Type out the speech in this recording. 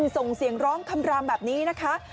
ส่งเสียงร้องคำรามแบบนี้นะคะ